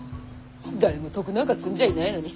誰も徳なんか積んじゃいないのに。